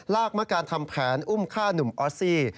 ลากมาการทำแผนอุ้มค่าหนุ่มออสซี